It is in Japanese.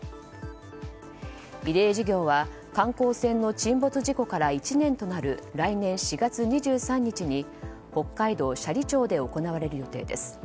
慰霊事業は観光船の沈没事故から１年となる来年４月２３日に北海道斜里町で行われる予定です。